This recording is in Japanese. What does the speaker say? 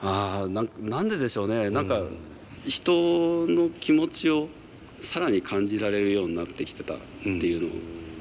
ああ何ででしょうね何か人の気持ちを更に感じられるようになってきてたっていうのを。